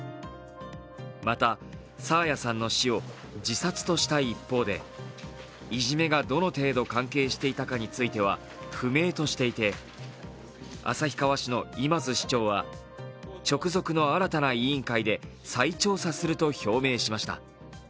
また、爽彩さんの死を自殺とした一方でいじめがどの程度関係していたかについては不明としていて、旭川市の今津市長は直属の新たな委員会で再調査すると表明しました。